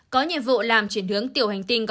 có nhiệm vụ làm chuyển hướng tiểu hành tinh